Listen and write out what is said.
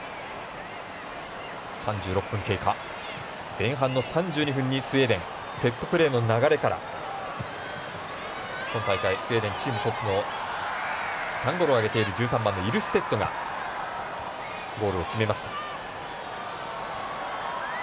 前半の３２分にスウェーデンセットプレーの流れから今大会、スウェーデンチームトップの３ゴールを挙げている１３番のイルステッドがゴールを決めました。